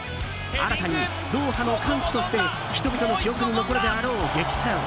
新たにドーハの歓喜として人々の記憶に残るであろう激戦。